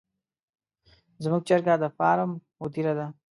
زموږ چرګه د فارم مدیره ده.